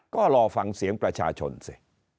ก็รอฟังเสียงประชาชนสิ